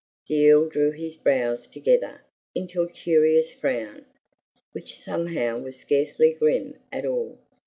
The Earl drew his brows together into a curious frown, which somehow was scarcely grim at all.